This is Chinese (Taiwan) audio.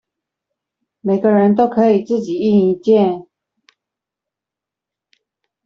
每個人都可以自己印一件